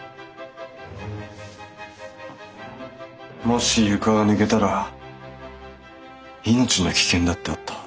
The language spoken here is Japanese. もし床が抜けたら命の危険だってあった。